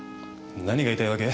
何が言いたいわけ？